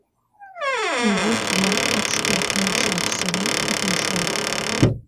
У год ён адштурхнуўся ад сцяны і пайшоў.